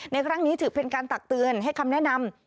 ในครั้งนี้ถือเป็นการตักเตือนให้คำแนะนำ